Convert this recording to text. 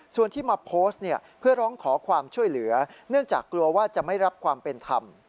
ส่วนที่มาโพสต์เนี่ยเพื่อร้องขอความช่วยเหลือเนื่องจากกลัวว่าจะไม่รับความเป็นธรรม